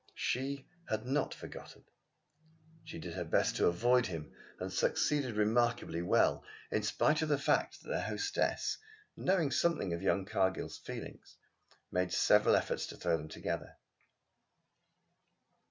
She had not forgotten. She did her best to avoid him, and succeeded remarkably well, in spite of the fact that their hostess, knowing something of young Cargill's feelings, made several efforts to throw them together.